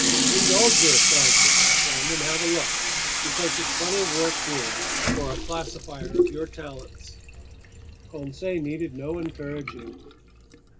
"Indulge your astonishment, my friend, and have a look, because there's plenty of work here for a classifier of your talents." Conseil needed no encouraging.